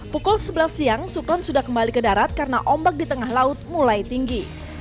pukul sebelas siang sukron sudah kembali ke darat karena ombak di tengah laut mulai tinggi